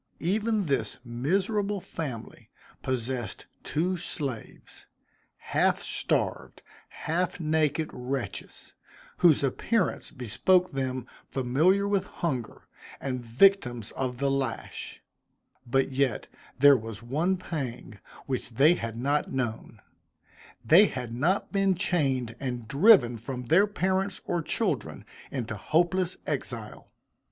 Even this miserable family possessed two slaves, half starved, half naked wretches, whose appearance bespoke them familiar with hunger, and victims of the lash; but yet there was one pang which they had not known they had not been chained and driven from their parents or children, into hopeless exile.